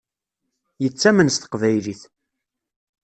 Yettamen s teqbaylit.